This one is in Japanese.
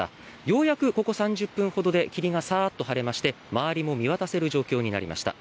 ようやくここ３０分ほどで霧がサーッと晴れまして周りも見渡せる状況になりました。